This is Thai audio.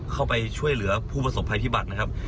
เข้าไปช่วยเหลือผู้ประสบภัยพิบัตรนะครับ